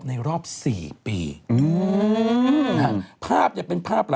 จากธนาคารกรุงเทพฯ